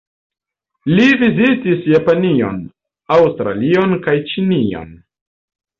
Li vizitis Japanion, Aŭstralion kaj Ĉinion.